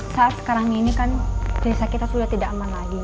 saat sekarang ini kan desa kita sudah tidak aman lagi